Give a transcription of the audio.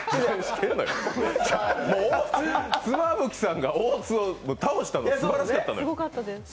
妻夫木さんが大津を倒したの、すばらしかったのよ。